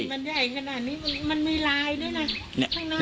มันใหญ่ขนาดนี้มันมีลายด้วยนะ